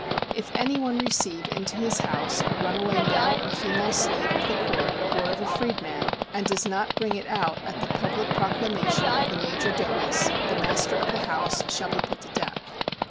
If any one receive into his house a runaway male or female slave of the court, or of a freedman, and does not bring it out at the public proclamation of the major domus, the master of the house shall be put to death.